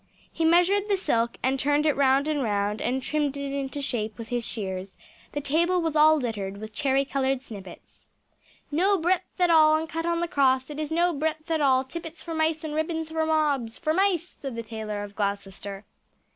He measured the silk, and turned it round and round, and trimmed it into shape with his shears; the table was all littered with cherry coloured snippets. "No breadth at all, and cut on the cross; it is no breadth at all; tippets for mice and ribbons for mobs! for mice!" said the Tailor of Gloucester.